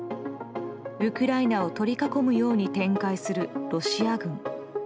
ウクライナを取り囲むように展開するロシア軍。